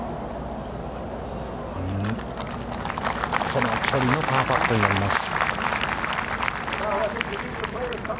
この距離のパーパットになります。